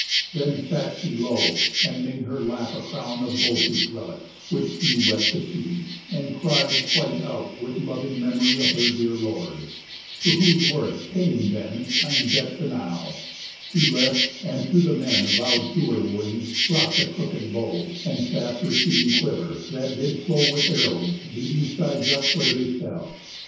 Then sat she low, and made her lap a crown Of both these relics, which she wept to see, And cried quite out with loving memory Of her dear lord; to whose worth paying then Kind debts enow, she left, and, to the men Vow'd to her wooing, brought the crooked bow, And shaft receiving quiver, that did flow With arrows beating sighs up where they fell.